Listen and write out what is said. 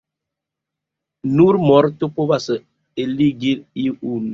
Nur morto povas eligi iun.